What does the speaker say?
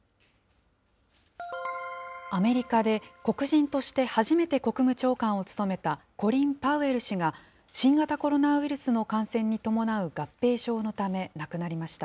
アメリカで黒人として初めて国務長官を務めたコリン・パウエル氏が、新型コロナウイルスの感染に伴う合併症のため、亡くなりました。